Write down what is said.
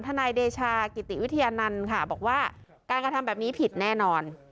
นายเดชากิติวิทยานันต์ค่ะบอกว่าการกระทำแบบนี้ผิดแน่นอน